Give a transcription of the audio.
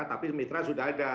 tapi mitra sudah ada